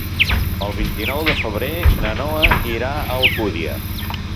El vint-i-nou de febrer na Noa irà a Alcúdia.